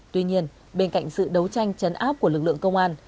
tuy nhiên bên cạnh sự đấu tranh chấn áp của lực lượng công an